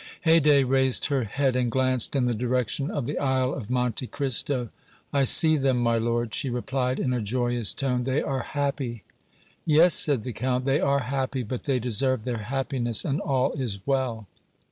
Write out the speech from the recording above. Haydée raised her head and glanced in the direction of the Isle of Monte Cristo. "I see them, my lord," she replied, in a joyous tone; "they are happy." "Yes," said the Count, "they are happy, but they deserve their happiness, and all is well."